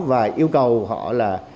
và yêu cầu họ là